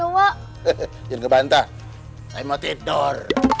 wah jangan kebantah saya mau tidur